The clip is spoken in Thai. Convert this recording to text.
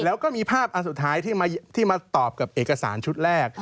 แล้วก็มีภาพอันสุดท้ายที่มาตอบกับเอกสารชุดแรก